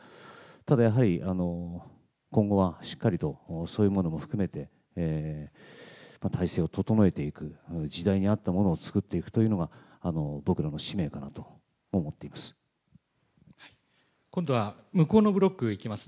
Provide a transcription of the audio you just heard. ただやはり、今後はしっかりとそういうものも含めて、体制を整えていく、時代に合ったものを作っていくというのは、今度は向こうのブロックいきます。